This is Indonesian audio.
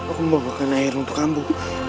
aku mau makan air untuk ambu